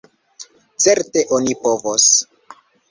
Certe oni povos.